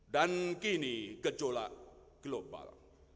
dan kini gejolak global